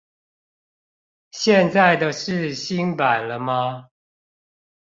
現在的是新版了嗎